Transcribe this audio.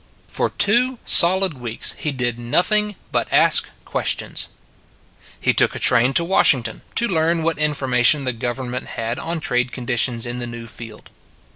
For two solid weeks he did nothing but ask questions. He took a train to Washington to learn what information the government had on trade conditions in the new field.